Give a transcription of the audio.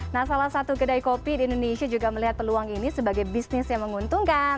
nah salah satu kedai kopi di indonesia juga melihat peluang ini sebagai bisnis yang menguntungkan